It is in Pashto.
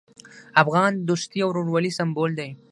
افغان د دوستي او ورورولۍ سمبول دی.